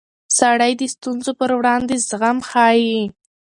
سړی د ستونزو پر وړاندې زغم ښيي